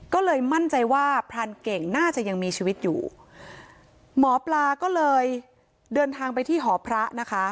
ก็เลยมั่นใจว่าพรานเก่งน่าจะยังมีชีวิตอยู่หมอปลาก็เลยเดินทางไปที่หอพระนะคะ